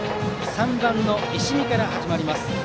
３番の石見から始まります。